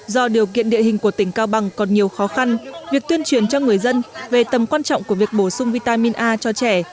do điều kiện địa hình của tỉnh cao bằng còn nhiều khó khăn việc tuyên truyền cho người dân về tầm quan trọng của việc bổ sung vitamin a cho trẻ